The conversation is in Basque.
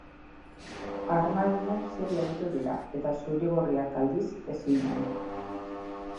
Armaginak serio aritu dira, eta zuri-gorriak, aldiz, ezinean.